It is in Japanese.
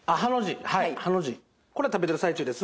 これは食べてる最中です